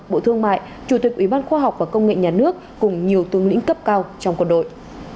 bộ thương mại chủ tịch ủy ban khoa học và công nghệ nhà nước cùng nhiều tướng lĩnh cấp cao trong quân đội